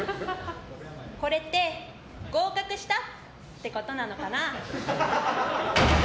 これって合格したってことなのかな。